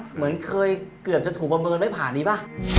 เหมือนเคยเกือบจะถูกประเมินไม่ผ่านนี้ป่ะ